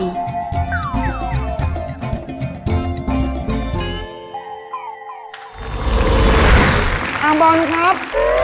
อ๋อมะบ่นครับ